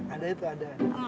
ada itu ada